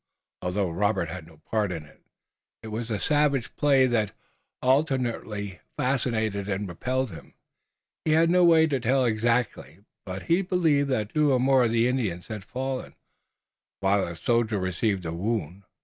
Although Robert had no part in it, it was a savage play that alternately fascinated and repelled him. He had no way to tell exactly, but he believed that two more of the Indians had fallen, while a soldier received a wound.